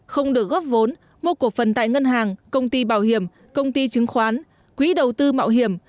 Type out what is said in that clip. không được góp vốn mua cổ phần tại ngân hàng công ty bảo hiểm công ty chứng khoán quỹ đầu tư mạo hiểm